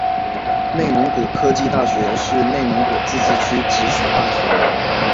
内蒙古科技大学是内蒙古自治区直属大学。